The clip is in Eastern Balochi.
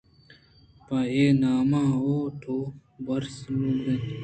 پت ءِ نام اوٹو برانسوک اِنت